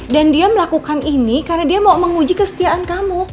dan dia melakukan ini karena dia mau menguji kesetiaan kamu